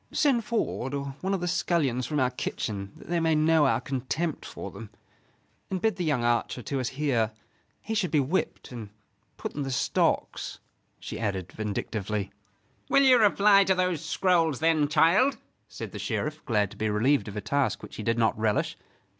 "Send Ford, or one of the scullions from our kitchen, that they may know our contempt for them. And bid the young archer to us here; he should be whipped and put in the stocks," she added, vindictively. "Will you reply to those scrolls then, child?" said the Sheriff, glad to be relieved of a task which he did not relish.